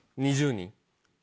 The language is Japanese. ２０人。